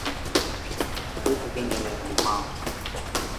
weka ganda la limao